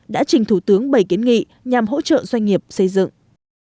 đã trình thủ tướng bảy kiến nghị nhằm hỗ trợ doanh nghiệp xây dựng